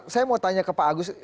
saya mau tanya ke pak agus